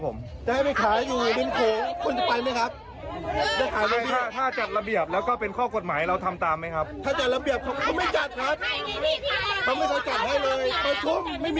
พ่อบอกไม่ให้ขายแล้วเขาทำอะไรกิน